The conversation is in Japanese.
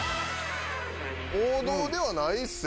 王道ではないっすよ